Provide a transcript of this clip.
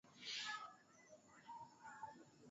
Bata toka kesho mu opitalo na mtoto